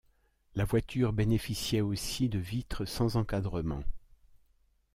La voiture bénéficiait aussi de vitres sans encadrement.